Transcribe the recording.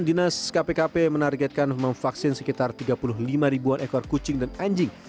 dinas kpkp menargetkan memvaksin sekitar tiga puluh lima ribuan ekor kucing dan anjing